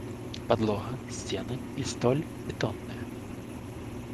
Падлога, сцены і столь бетонныя.